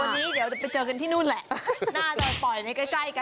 วันนี้เดี๋ยวจะไปเจอกันที่นู่นแหละ